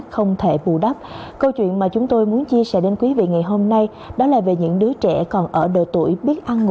không nhớ bà cố mặt sáng bà cố kêu con nhảy